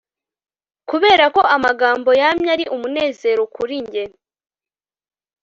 kuberako amagambo yamye ari umunezero kuri njye